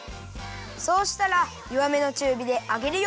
そうしたらよわめのちゅうびで揚げるよ。